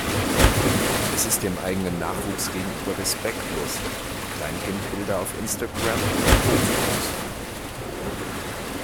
Es ist dem eigenen Nachwuchs gegenüber respektlos, Kleinkindbilder auf Instagram und Co. zu posten.